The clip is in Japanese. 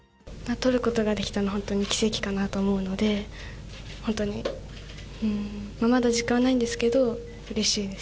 とることができたのは本当に奇跡かなと思うので、本当にまだ実感はないんですけれども、うれしいです。